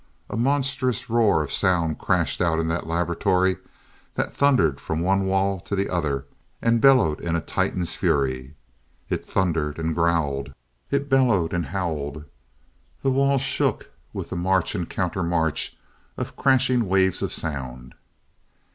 A monstrous roar of sound crashed out in that laboratory that thundered from one wall to the other, and bellowed in a Titan's fury. It thundered and growled, it bellowed and howled, the walls shook with the march and counter march of crashing waves of sound.